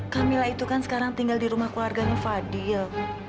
camilla itu kan sekarang tinggal di rumah keluarganya fadil